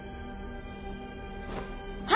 はい。